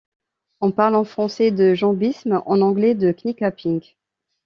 On parle en français de jambisme, en anglais de kneecapping.